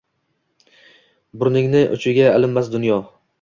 Burningning uchiga ilinmas dunyo!